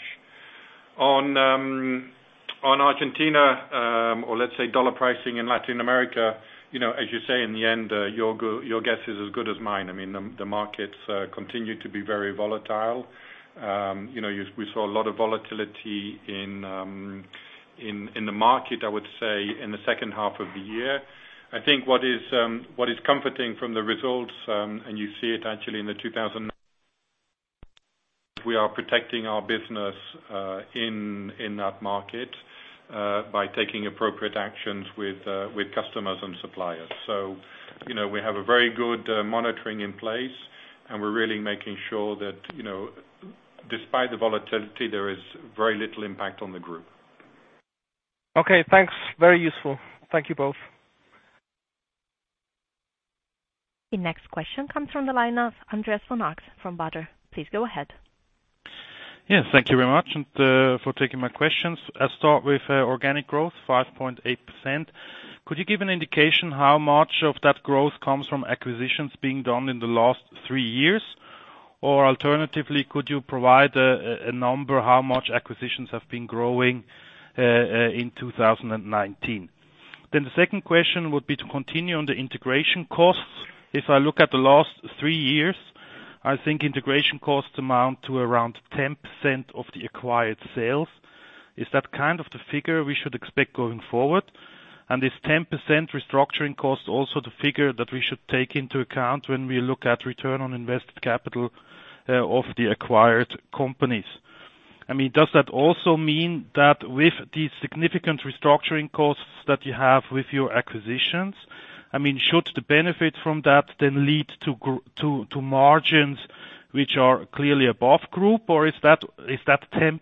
Argentina, or let's say dollar pricing in Latin America, as you say, in the end, your guess is as good as mine. The markets continue to be very volatile. We saw a lot of volatility in the market, I would say, in the second half of the year. I think what is comforting from the results, and you see it actually in the 2000 we are protecting our business in that market, by taking appropriate actions with customers and suppliers. We have a very good monitoring in place, and we're really making sure that despite the volatility, there is very little impact on the group. Okay, thanks. Very useful. Thank you both. The next question comes from the line of Andreas von Arx from Baader. Please go ahead. Yes, thank you very much for taking my questions. I'll start with organic growth, 5.8%. Could you give an indication how much of that growth comes from acquisitions being done in the last three years? Or alternatively, could you provide a number how much acquisitions have been growing in 2019? The second question would be to continue on the integration costs. If I look at the last three years, I think integration costs amount to around 10% of the acquired sales. Is that kind of the figure we should expect going forward? Is 10% restructuring cost also the figure that we should take into account when we look at return on invested capital of the acquired companies? Does that also mean that with these significant restructuring costs that you have with your acquisitions, should the benefit from that then lead to margins which are clearly above group, or is that 10%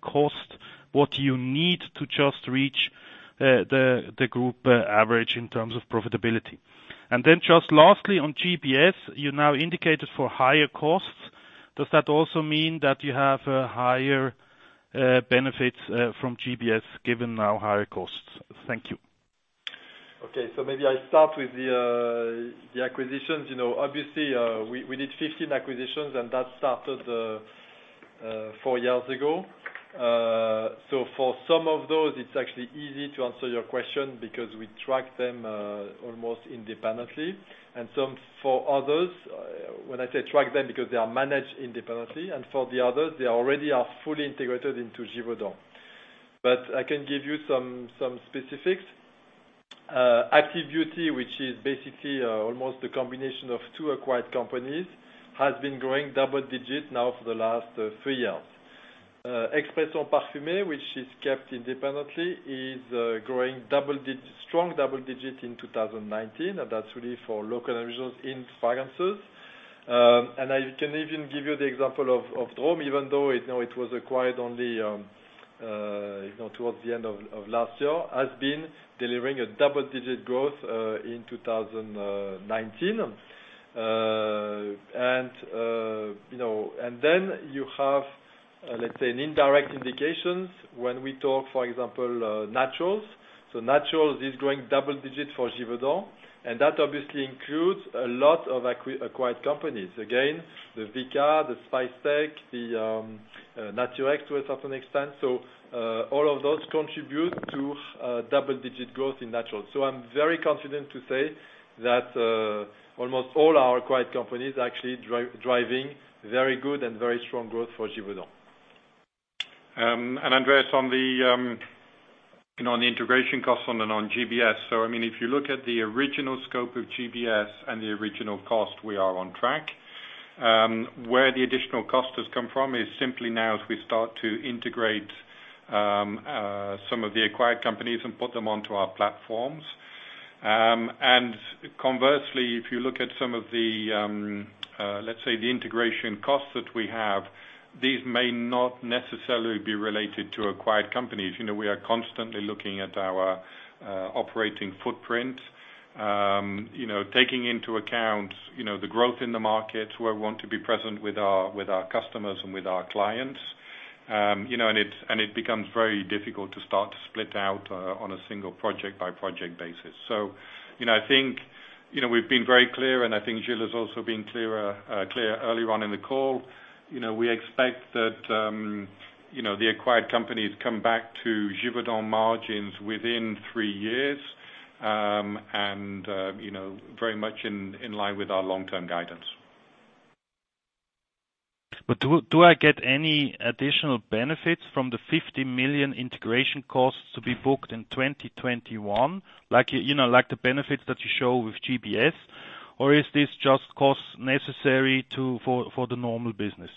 cost what you need to just reach the group average in terms of profitability? Just lastly, on GBS, you now indicated for higher costs. Does that also mean that you have higher benefits from GBS given now higher costs? Thank you. Maybe I start with the acquisitions. Obviously, we did 15 acquisitions, and that started four years ago. For some of those, it's actually easy to answer your question because we track them almost independently. Some for others, when I say track them because they are managed independently, and for the others, they already are fully integrated into Givaudan. I can give you some specifics. Active Beauty, which is basically almost a combination of two acquired companies, has been growing double digits now for the last three years. Expressions Parfumées, which is kept independently, is growing strong double digits in 2019, and that's really for local originals in Fragrances. I can even give you the example of Drom, even though it was acquired only towards the end of last year, has been delivering a double-digit growth in 2019. You have, let's say, an indirect indication when we talk, for example, Naturals. Naturals is growing double-digits for Givaudan, and that obviously includes a lot of acquired companies. The Vika, the Spicetec, the Naturex to a certain extent. All of those contribute to double-digit growth in naturals. I'm very confident to say that almost all our acquired companies are actually driving very good and very strong growth for Givaudan. Andreas, on the integration cost on and on GBS. If you look at the original scope of GBS and the original cost, we are on track. Where the additional cost has come from is simply now as we start to integrate some of the acquired companies and put them onto our platforms. Conversely, if you look at some of the, let's say, the integration costs that we have, these may not necessarily be related to acquired companies. We are constantly looking at our operating footprint, taking into account the growth in the market, where we want to be present with our customers and with our clients. It becomes very difficult to start to split out on a single project-by-project basis. I think we've been very clear, and I think Gilles has also been clear earlier on in the call. We expect that the acquired companies come back to Givaudan margins within three years, and very much in line with our long-term guidance. Do I get any additional benefits from the 50 million integration costs to be booked in 2021, like the benefits that you show with GBS? Is this just costs necessary for the normal business?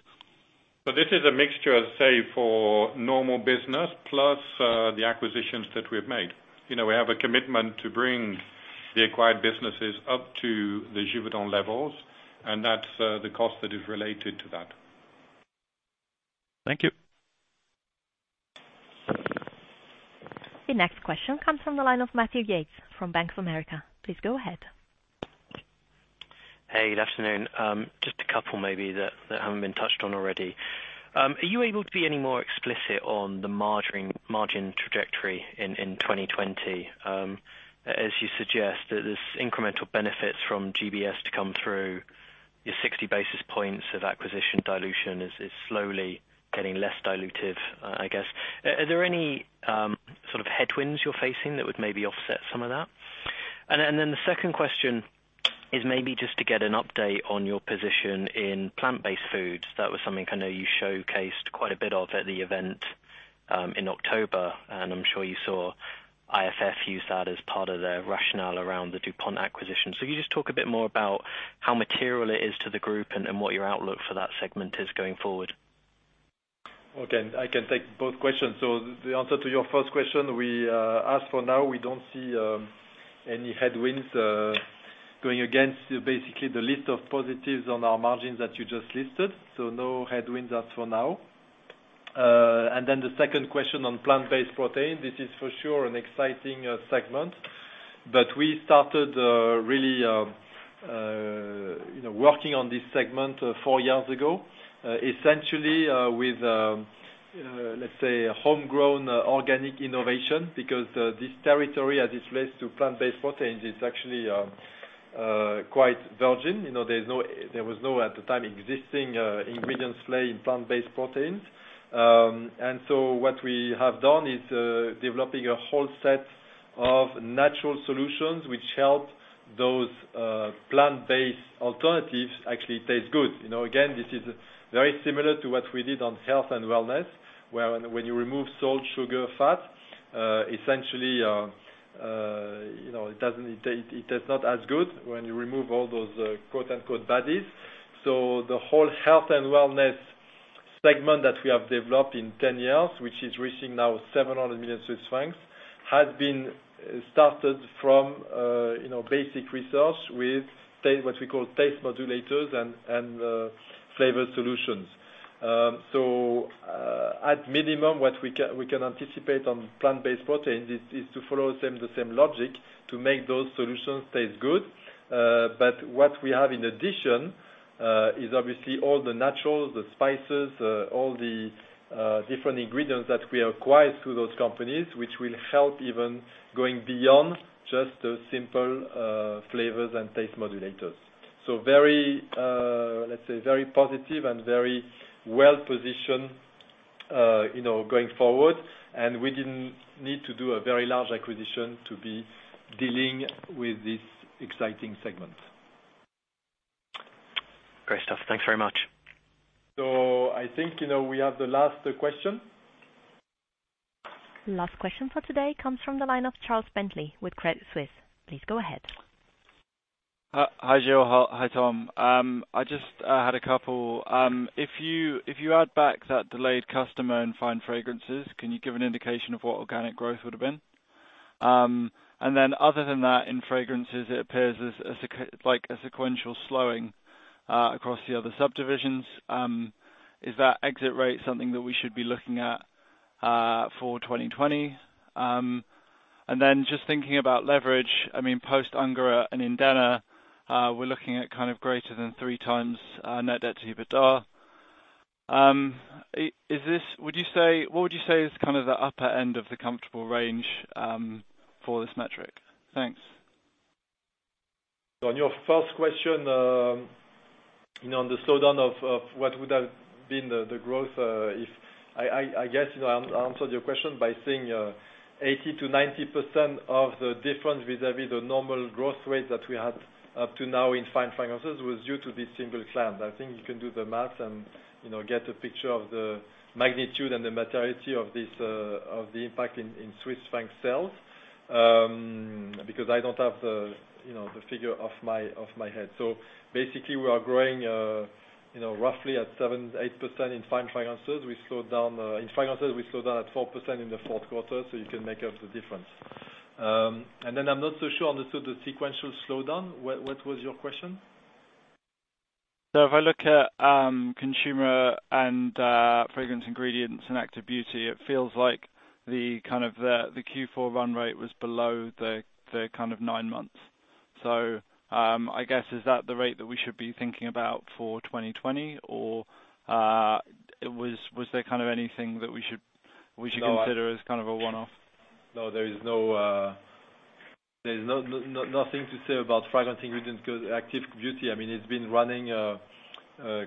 This is a mixture of, say, for normal business plus the acquisitions that we've made. We have a commitment to bring the acquired businesses up to the Givaudan levels, and that's the cost that is related to that. Thank you. The next question comes from the line of Matthew Yates from Bank of America. Please go ahead. Hey, good afternoon. Just a couple maybe that haven't been touched on already. Are you able to be any more explicit on the margin trajectory in 2020? As you suggest, there's incremental benefits from GBS to come through, your 60 basis points of acquisition dilution is slowly getting less dilutive, I guess. Are there any sort of headwinds you're facing that would maybe offset some of that? The second question is maybe just to get an update on your position in plant-based foods. That was something I know you showcased quite a bit of at the event, in October, and I'm sure you saw IFF use that as part of their rationale around the DuPont acquisition. Can you just talk a bit more about how material it is to the group and what your outlook for that segment is going forward? Okay. I can take both questions. The answer to your first question, as for now, we don't see any headwinds going against basically the list of positives on our margins that you just listed. No headwinds as for now. Then the second question on plant-based protein, this is for sure an exciting segment, but we started really working on this segment four years ago, essentially, with, let's say, homegrown organic innovation, because this territory, as it relates to plant-based proteins, is actually quite virgin. There was no, at the time, existing ingredient play in plant-based proteins. What we have done is developing a whole set of natural solutions which help those plant-based alternatives actually taste good. Again, this is very similar to what we did on health and wellness, where when you remove salt, sugar, fat, essentially, it tastes not as good when you remove all those "baddies". The whole health and wellness segment that we have developed in 10 years, which is reaching now 700 million Swiss francs, has been started from basic research with what we call taste modulators and flavor solutions. At minimum, what we can anticipate on plant-based protein is to follow the same logic to make those solutions taste good. What we have in addition is obviously all the naturals, the spices, all the different ingredients that we acquired through those companies, which will help even going beyond just those simple flavors and taste modulators. Let's say very positive and very well-positioned going forward. We didn't need to do a very large acquisition to be dealing with this exciting segment. Great stuff. Thanks very much. I think we have the last question. Last question for today comes from the line of Charles Bentley with Credit Suisse. Please go ahead. Hi, Gilles. Hi, Tom. I just had a couple. If you add back that delayed customer in Fine Fragrances, can you give an indication of what organic growth would've been? other than that, in Fragrances, it appears as like a sequential slowing across the other subdivisions. Is that exit rate something that we should be looking at for 2020? just thinking about leverage, post-Ungerer and Indena, we're looking at greater than three times net debt to EBITDA. What would you say is the upper end of the comfortable range for this metric? Thanks. On your first question, on the slowdown of what would have been the growth if I guess I answered your question by saying 80%-90% of the difference vis-à-vis the normal growth rate that we had up to now in Fine Fragrances was due to this single plant. I think you can do the math and get a picture of the magnitude and the materiality of the impact in Swiss franc sales, because I don't have the figure off my head. Basically, we are growing roughly at 7%-8% in Fine Fragrances. In Fragrances, we slowed down at 4% in the fourth quarter, you can make up the difference. Then I'm not so sure understood the sequential slowdown. What was your question? If I look at Consumer and Fragrance Ingredients and Active Beauty, it feels like the Q4 run rate was below the nine months. I guess, is that the rate that we should be thinking about for 2020, or was there anything that we should? No Consider as a one-off? No, there is nothing to say about Fragrance Ingredients because Active Beauty, it's been running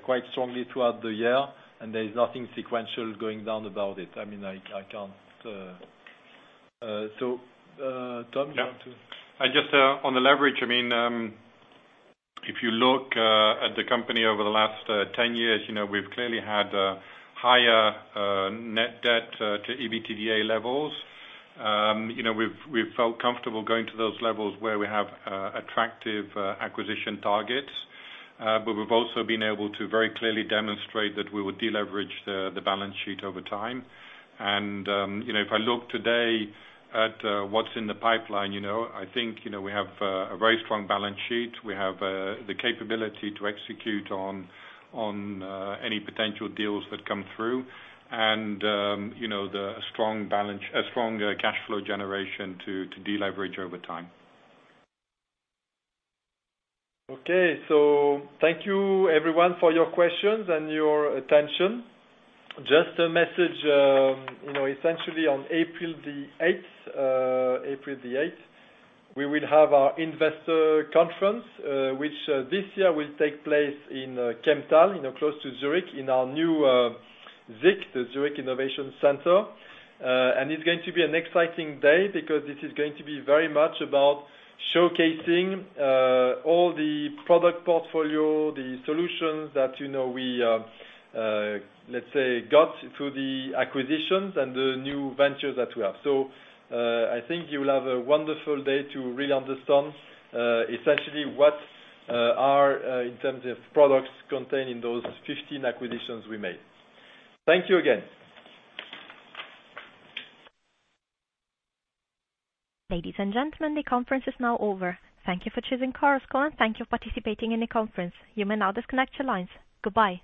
quite strongly throughout the year, and there's nothing sequential going down about it. Tom, do you want to? Yeah. Just on the leverage, if you look at the company over the last 10 years, we've clearly had higher net debt to EBITDA levels. We've felt comfortable going to those levels where we have attractive acquisition targets. We've also been able to very clearly demonstrate that we would deleverage the balance sheet over time. If I look today at what's in the pipeline, I think we have a very strong balance sheet. We have the capability to execute on any potential deals that come through, and a strong cash flow generation to deleverage over time. Okay. Thank you everyone for your questions and your attention. Just a message, essentially on April the 8th, we will have our Investor Conference, which this year will take place in Kemptthal, close to Zurich in our new ZIC, the Zurich Innovation Center. It's going to be an exciting day because this is going to be very much about showcasing all the product portfolio, the solutions that we, let's say, got through the acquisitions and the new ventures that we have. I think you will have a wonderful day to really understand essentially what are in terms of products contained in those 15 acquisitions we made. Thank you again. Ladies and gentlemen, the conference is now over. Thank you for choosing Chorus Call, and thank you for participating in the conference. You may now disconnect your lines. Goodbye.